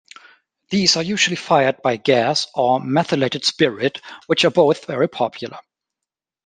These are usually fired by gas or methylated spirit, which are both very popular.